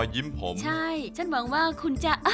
ซุปไก่เมื่อผ่านการต้มก็จะเข้มขึ้น